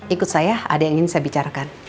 ikut saya ada yang ingin saya bicarakan